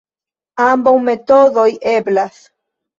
Ambaŭ metodoj eblas.